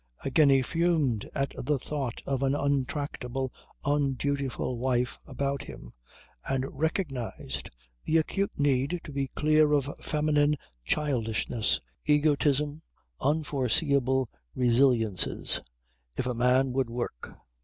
Again he fumed at the thought of an untractable, undutiful wife about him, and recognised the acute need to be clear of feminine childishness, egotism, unforeseeable resiliences, if a man would work.